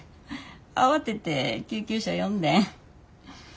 慌てて救急車呼んでん。